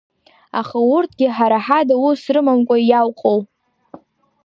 Аха урҭгьы ҳара ҳада ус рымамкәа иауҟоу…